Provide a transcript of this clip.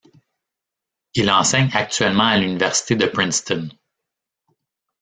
Il enseigne actuellement à l'université de Princeton.